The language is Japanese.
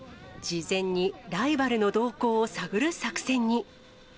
事前にライバルの動向を探る作戦に。